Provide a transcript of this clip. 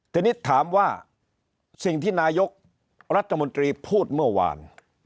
ทีนี้ถามว่าสิ่งที่นายกรัฐมนตรีพูดเมื่อวาน